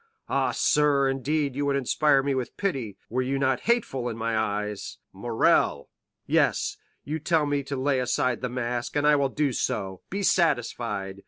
Ah, sir, indeed you would inspire me with pity, were you not hateful in my eyes." "Morrel——" "Yes; you tell me to lay aside the mask, and I will do so, be satisfied!